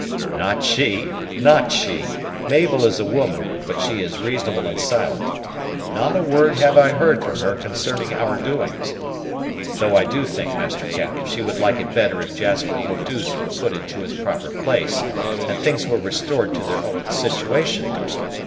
"Not she! not she! Mabel is a woman, but she is reasonable and silent. Not a word have I heard from her concerning our doings; though I do think, Master Cap, she would like it better if Jasper Eau douce were put into his proper place, and things were restored to their old situation, like.